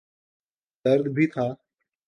درد بھی تھا۔